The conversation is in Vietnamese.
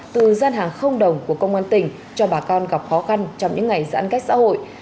từ gian hàng không đồng của công an tỉnh cho bà con gặp khó khăn trong những ngày giãn cách xã hội